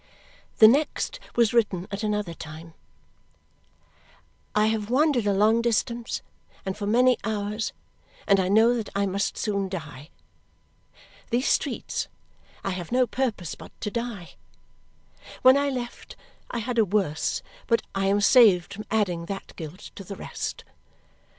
The next was written at another time: I have wandered a long distance, and for many hours, and I know that I must soon die. These streets! I have no purpose but to die. When I left, I had a worse, but I am saved from adding that guilt to the rest.